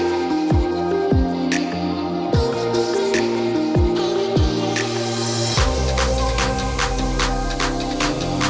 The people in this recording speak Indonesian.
guys ini dari aku